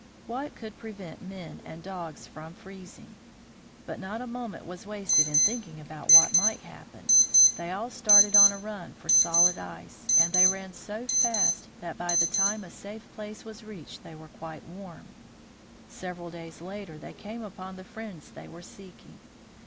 What could prevent men and dogs from freezing ? But not a moment was wasted in thinking about what might happen. They all started on a run for solid ice, and they ran so fast that by the time a safe place was reached, they were quite warm. Several days later they came upon the friends they were seeking.